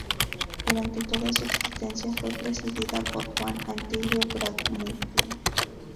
Durante toda su existencia fue presidida por Juan Atilio Bramuglia.